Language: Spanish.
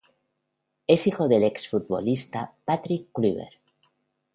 Es hijo del exfutbolista Patrick Kluivert.